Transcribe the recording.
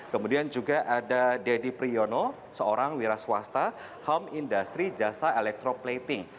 kemudian juga ada deddy priyono seorang wira swasta home industry jasa electroplating